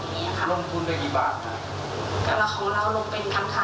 ที่ลงทุนว่าจะได้ส่วนแห่งผลประโยชน์เท่าไรอย่างนี้